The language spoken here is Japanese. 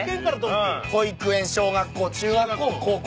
保育園小学校中学校高校。